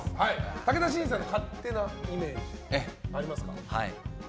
武田真治さんの勝手なイメージありますか。